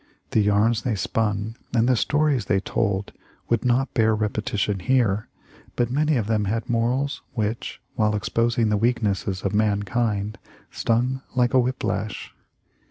The yarns they spun and the stories they told would not bear repetition here, but many of them had morals which, while exposing the weaknesses of mankind, stung like a whip lash.